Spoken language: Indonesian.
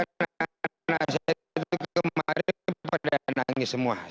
karena saya kemarin pada nangis semua